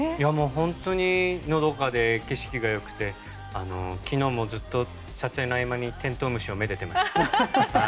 本当にのどかで景色が良くて昨日もずっと撮影の合間にテントウムシをめでてました。